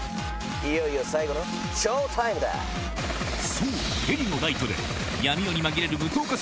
そうヘリのライトで闇夜に紛れる無灯火